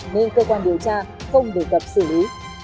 nên cơ quan điều tra không đề cập xử lý